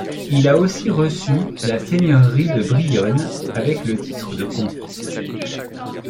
Il a aussi reçu la seigneurie de Brionne avec le titre de comte.